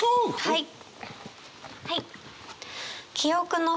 はい。